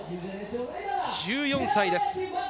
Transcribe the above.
１４歳です。